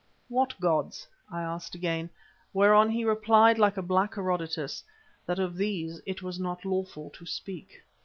"What gods?" I asked again, whereon he replied like a black Herodotus, that of these it was not lawful to speak.